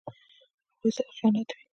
هغوی سره خیانت وي.